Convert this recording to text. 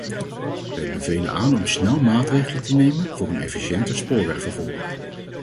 Wij bevelen aan om snel maatregelen te nemen voor een efficiënter spoorwegvervoer.